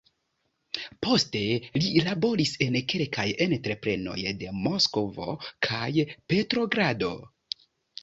Poste li laboris en kelkaj entreprenoj de Moskvo kaj Petrogrado.